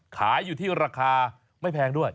ขายอยู่ที่ราคาไม่แพงด้วย